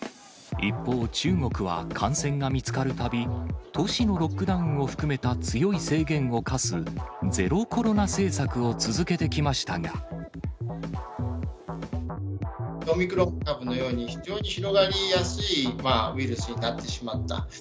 一方、中国は感染が見つかるたび、都市のロックダウンを含めた強い制限を課すゼロコロナ政策を続けオミクロン株のように、非常に広がりやすいウイルスになってしまった。